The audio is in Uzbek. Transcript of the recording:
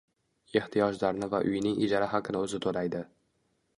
Ehtiyojlarini va uyining ijara haqini oʻzi toʻlaydi.